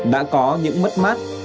đã có những mất